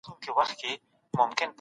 موږ باید په نړۍ کي پر عدل ولاړ اوسو.